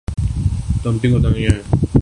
تو ٹیم کے کپتان کی۔